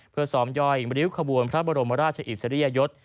เพื่อซ้อมย่อยริ้วขบวนพระบรมราชอิสริยยศ